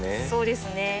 そうですね。